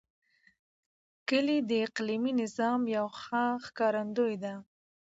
کلي د اقلیمي نظام یو ښه ښکارندوی دی.